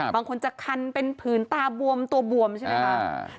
บางคนจะคันเป็นผืนตาบวมตัวบวมใช่ไหมคะ